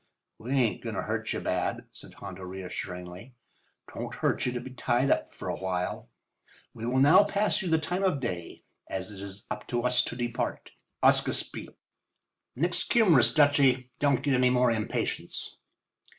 "We ain't going to hurt you bad," said Hondo reassuringly. "'Twon't hurt you to be tied up for a while. We will now pass you the time of day, as it is up to us to depart. Ausgespielt—nixcumrous, Dutchy. Don't get any more impatience."